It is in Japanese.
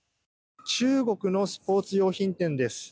中国のスポーツ用品店です。